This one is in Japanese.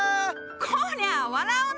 こりゃ笑うな！